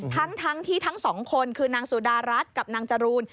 ทั้งที่ทั้งสองคนคือนางสุดารัฐกับนางจรูน